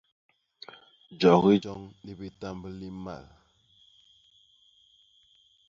Jogi joñ li bitamb li mmal.